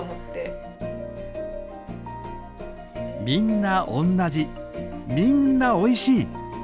「みんなおんなじみんなおいしい」。